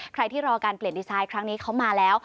ใครที่รอการเปลี่ยนดีไซน์ครั้งนี้เขามาแล้ว